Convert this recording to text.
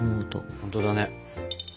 本当だね。